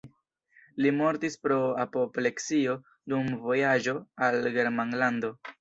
Li mortis pro apopleksio dum vojaĝo al Germanlando.